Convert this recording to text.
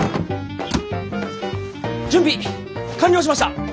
準備完了しました！